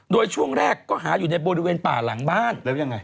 โดยช่วงแรกก็หาอยู่ที่บริเวณป่าหลังบ้าน